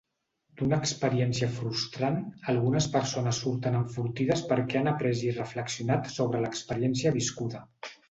D'una experiència frustrant algunes persones surten enfortides perquè han après i reflexionat sobre l'experiència viscuda.